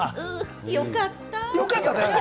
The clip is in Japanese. よかった。